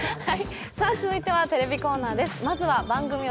続いてはテレビコーナーです。